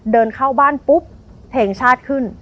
เดินเข้าบ้านปุ๊บเพลงชาติขึ้น